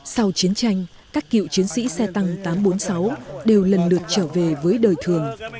sau chiến tranh các cựu chiến sĩ xe tăng tám trăm bốn mươi sáu đều lần lượt trở về với đời thường